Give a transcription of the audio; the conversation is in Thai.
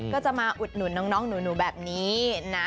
ก็จะมาอุดหนุนน้องหนูแบบนี้นะ